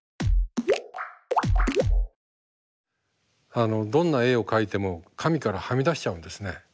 あのどんな絵を描いても紙からはみ出しちゃうんですね。